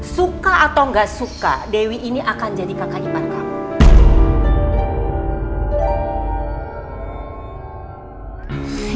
suka atau nggak suka dewi ini akan jadi kakak iman kamu